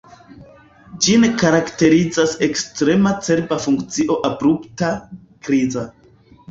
Ĝin karakterizas ekstrema cerba funkcio abrupta, kriza.